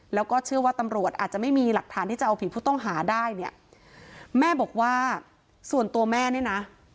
แล้วก็เชื่อว่าตำรวจอาจจะไม่มีหลักฐานที่จะเอาผิดผู้ต้องหาได้เนี่ยแม่บอกว่าส่วนตัวแม่เนี่ยนะ